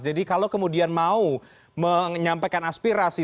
jadi kalau kemudian mau menyampaikan aspirasi